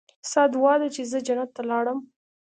ستا دعا ده چې زه جنت ته لاړم.